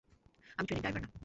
আমি ট্রেনের ড্রাইভার না।